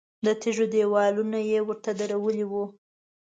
د تیږو دیوالونه یې ورته درولي وو.